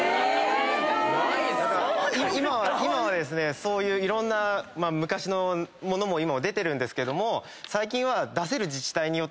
今はそういういろんな昔の物も出てるんですけども。